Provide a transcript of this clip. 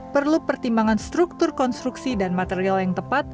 perlu pertimbangan struktur konstruksi dan material yang tepat